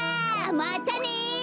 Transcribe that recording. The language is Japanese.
またね！